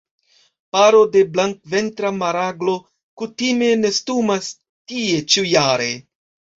Paro de Blankventra maraglo kutime nestumas tie ĉiujare.